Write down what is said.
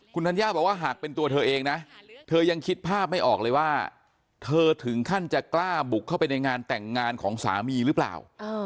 คุณธัญญาบอกว่าหากเป็นตัวเธอเองนะเธอยังคิดภาพไม่ออกเลยว่าเธอถึงขั้นจะกล้าบุกเข้าไปในงานแต่งงานของสามีหรือเปล่า